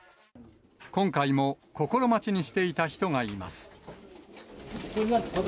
今回も心待ちにしていた人がいます。